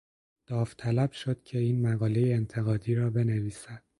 داوطلب شد که این مقالهٔ انتقادی را بنویسد.